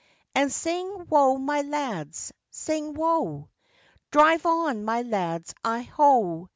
And sing wo, my lads, sing wo! Drive on my lads, I ho!